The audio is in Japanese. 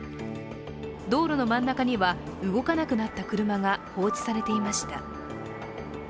道路の真ん中には、動かなくなった車が放置されていました。